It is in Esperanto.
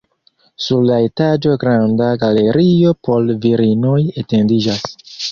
Sur la etaĝo granda galerio por virinoj etendiĝas.